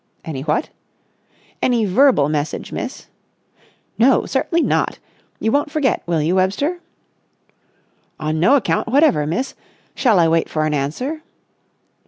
"Any what?" "Any verbal message, miss?" "No, certainly not! You won't forget, will you, Webster?" "On no account whatever, miss. Shall I wait for an answer?"